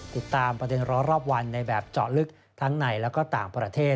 ติดตามประเด็นร้อนรอบวันในแบบเจาะลึกทั้งในและก็ต่างประเทศ